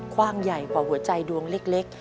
กว้างใหญ่กว่าหัวใจดวงเล็ก